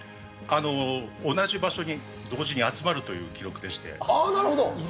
同じ場所に同時に集まるという記録でして。